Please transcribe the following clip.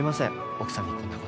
奥さんにこんな事。